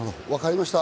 分かりました。